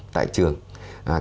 tại trường hoài công lập